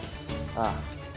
ああ。